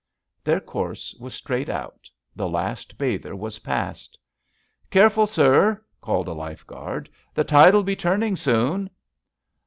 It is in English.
Their course was straight out; the last bather was passed. "Careful, sir," called a lifeguard, "the tide'U be turning soon."